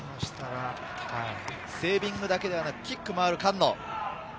セービングだけではなくキックもある菅野。